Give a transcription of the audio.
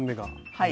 はい。